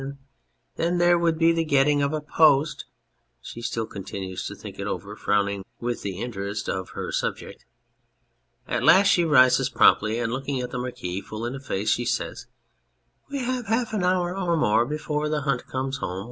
And then there would be the getting of a post (she still continues to think it over, frowning with the interest of her subject ; at last she rises promptly, and looking the Marquis full in the face she says) : We have half an hour or more before the hunt comes home.